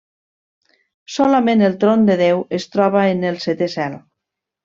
Solament el Tron de Déu es troba en el setè cel.